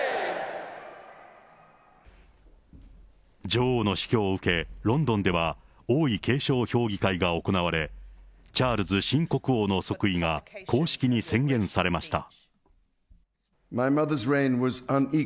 女王の死去を受け、ロンドンでは、王位継承評議会が行われ、チャールズ新国王の即位が公式に宣言されました。